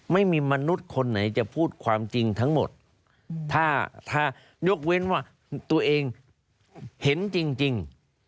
มนุษย์คนไหนจะพูดความจริงทั้งหมดถ้ายกเว้นว่าตัวเองเห็นจริง